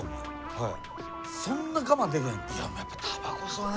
はい。